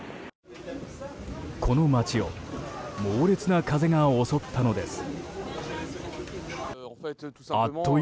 この街を猛烈な風が襲ったのです。